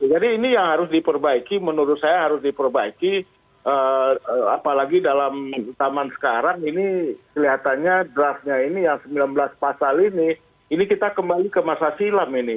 jadi ini yang harus diperbaiki menurut saya harus diperbaiki apalagi dalam utama sekarang ini kelihatannya draftnya ini yang sembilan belas pasal ini ini kita kembali ke masa silam ini